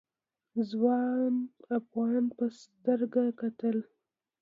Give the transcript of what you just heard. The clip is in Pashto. ځوان افغان په سترګه کتل.